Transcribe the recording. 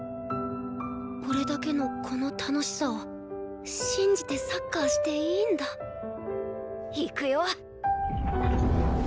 俺だけのこの楽しさを信じてサッカーしていいんだいくよ！